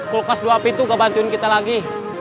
kulkas dua api tuh nggak bantuin kita lagi